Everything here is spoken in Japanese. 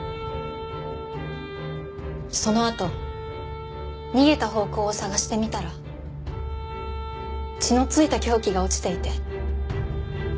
そのあと逃げた方向を捜してみたら血の付いた凶器が落ちていて。